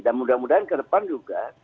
dan mudah mudahan ke depan juga